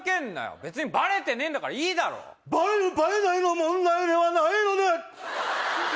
別にバレてねえんだからいいだろバレるバレないの問題ではないのです！